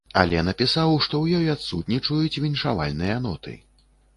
Але напісаў, што ў ёй адсутнічаюць віншавальныя ноты.